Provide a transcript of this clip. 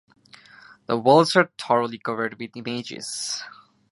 The walls are thoroughly covered with images.